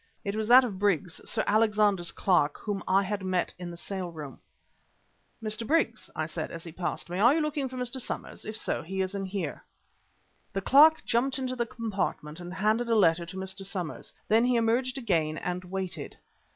It was that of Briggs, Sir Alexander's clerk, whom I had met in the sale room. "Mr. Briggs," I said as he passed me, "are you looking for Mr. Somers? If so, he is in here." The clerk jumped into the compartment and handed a letter to Mr. Somers. Then he emerged again and waited.